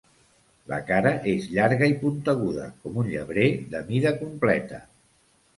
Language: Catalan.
La cara és llarga i punteguda, com un llebrer de mida completa.